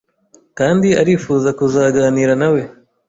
kandi arifuza kuzaganira nawe.